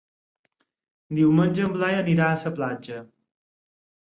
Diumenge en Blai anirà a la platja.